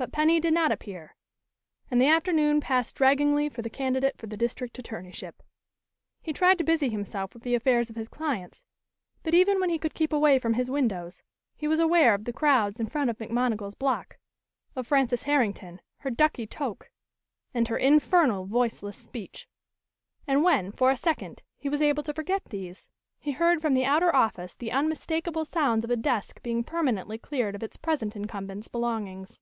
But Penny did not appear, and the afternoon passed draggingly for the candidate for the district attorneyship. He tried to busy himself with the affairs of his clients, but even when he could keep away from his windows he was aware of the crowds in front of McMonigal's block, of Frances Herrington, her "ducky" toque and her infernal voiceless speech. And when, for a second, he was able to forget these, he heard from the outer office the unmistakable sounds of a desk being permanently cleared of its present incumbent's belongings.